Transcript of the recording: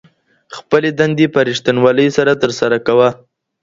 خپلي دندي په رښتنولی سره ترسره کوه.